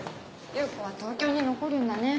優子は東京に残るんだね。